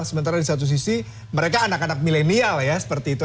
sementara di satu sisi mereka anak anak milenial ya seperti itu